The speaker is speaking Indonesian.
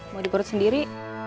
mau diparut sendiri